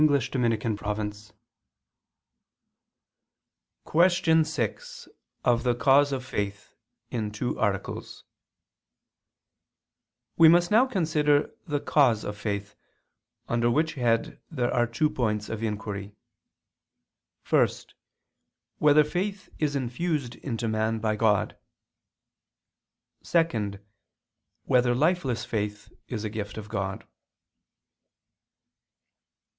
_______________________ QUESTION 6 OF THE CAUSE OF FAITH (In Two Articles) We must now consider the cause of faith, under which head there are two points of inquiry: (1) Whether faith is infused into man by God? (2) Whether lifeless faith is a gift of God?